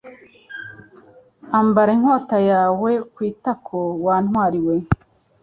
Ambara inkota yawe ku itako wa ntwari we